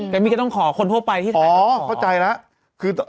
แกมมี่ก็ต้องขอคนทั่วไปที่ถ่ายจะขออ๋อเข้าใจแล้ว